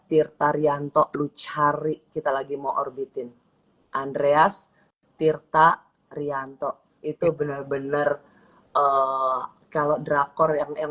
tirta rianto lu cari kita lagi mau orbitin andreas tirta rianto itu benar benar kalau drakor yang